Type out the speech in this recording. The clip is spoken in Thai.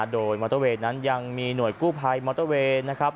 โดยมอเตอร์เวย์นั้นยังมีหน่วยกู้ภัยมอเตอร์เวย์นะครับ